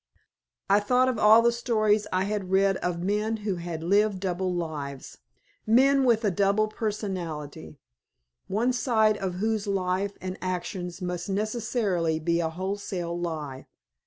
I thought of all the stories I had read of men who had lived double lives men with a double personality one side of whose life and actions must necessarily be a wholesale lie.